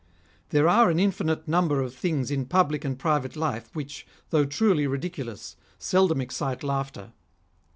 ^" There are an infinite number of things in public and private life which, though truly ridiculous, seldom excite laughter.